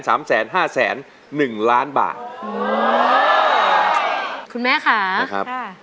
สามแสนห้าแสนหนึ่งล้านบาทอืมคุณแม่ค่ะครับค่ะ